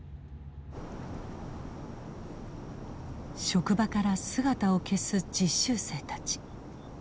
職場から姿を消す実習生たち。